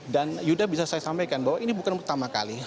dan yuda bisa saya sampaikan bahwa ini bukan pertama kali